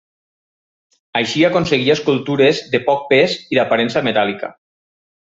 Així aconseguia escultures de poc pes i d’aparença metàl·lica.